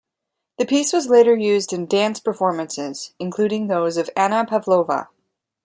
The piece was later used in dance performances, including those of Anna Pavlova.